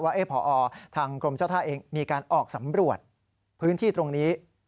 ว่าพอทางกรมเจ้าท่าเองมีการออกสำรวจพื้นที่ตรงนี้